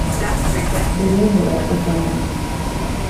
Guhuhura(euthanasie)